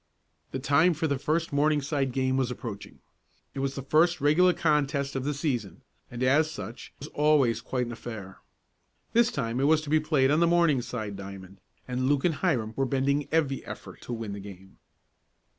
The time for the first Morningside game was approaching. It was the first regular contest of the season and as such was always quite an affair. This time it was to be played on the Morningside diamond, and Luke and Hiram were bending every effort to win the game.